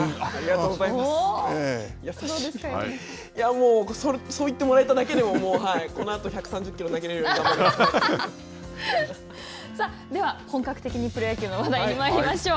もうそう言ってもらえただけでも、このあと、１３０キロ投げれるよでは、本格的にプロ野球の話題にまいりましょう。